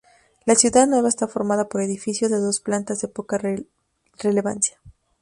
La ciudad nueva está formada por edificios de dos plantas de poca relevancia.